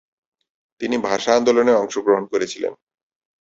তিনি ভাষা আন্দোলনে অংশগ্রহণ করেছিলেন।